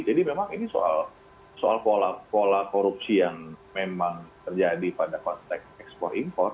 jadi memang ini soal pola korupsi yang memang terjadi pada konteks ekspor impor